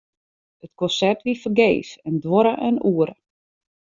It konsert wie fergees en duorre in oere.